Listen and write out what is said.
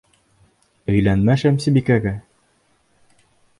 Өйләнмә Шәмсебикәгә!